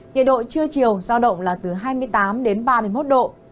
nhiệt độ trưa chiều giao động là từ hai mươi tám đến ba mươi một độ